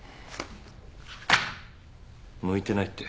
向いてないって。